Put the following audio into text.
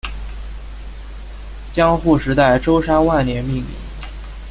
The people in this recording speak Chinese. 江户时代舟山万年命名。